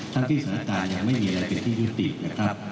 ทั้งที่สถานการณ์ยังไม่มีอะไรเป็นที่ยุตินะครับ